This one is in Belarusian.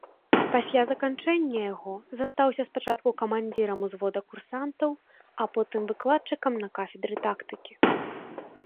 Пасля заканчэння яго застаўся спачатку камандзірам узвода курсантаў, а потым выкладчыкам на кафедры тактыкі.